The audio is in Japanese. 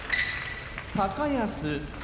高安